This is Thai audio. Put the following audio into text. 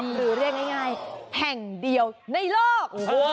หรือเรียกง่ายแห่งเดียวในโลก